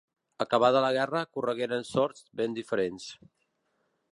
Acabada la guerra corregueren sorts ben diferents.